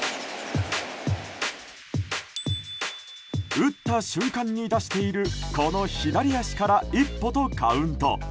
打った瞬間に出しているこの左足から１歩とカウント。